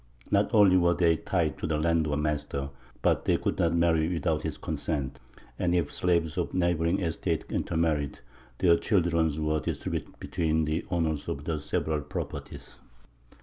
Not only were they tied to the land or master, but they could not marry without his consent, and if slaves of neighbouring estates intermarried, their children were distributed between the owners of the several properties.